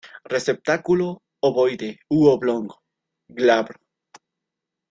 Receptáculo ovoide u oblongo, glabro.